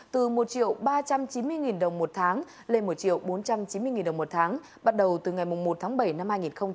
từ một ba trăm chín mươi đồng một tháng lên một triệu bốn trăm chín mươi đồng một tháng bắt đầu từ ngày một tháng bảy năm hai nghìn hai mươi